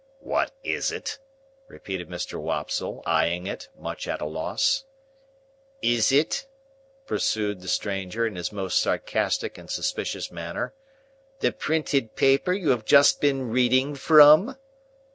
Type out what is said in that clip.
"What is it?" repeated Mr. Wopsle, eyeing it, much at a loss. "Is it," pursued the stranger in his most sarcastic and suspicious manner, "the printed paper you have just been reading from?"